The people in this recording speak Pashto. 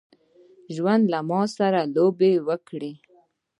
ژوند له ماسره لوبي وکړي.